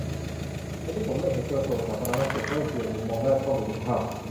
วันนี้ผมเริ่มเห็นกระทรวงสาธารณสุขเริ่มเปลี่ยนมุมมองด้านข้อมูลสุขภาพ